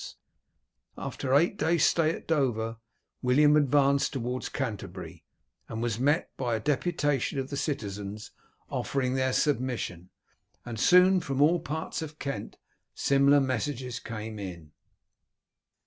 As, after eight days' stay at Dover, William advanced towards Canterbury, he was met by a deputation of the citizens offering their submission, and soon from all parts of Kent similar messages came in.